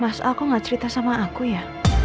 mas aku gak cerita sama aku ya